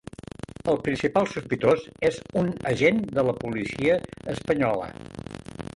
El principal sospitós és un agent de la policia espanyola.